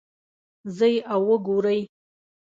ځئ او وګورئ